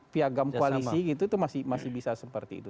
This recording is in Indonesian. piagam koalisi gitu itu masih bisa seperti itu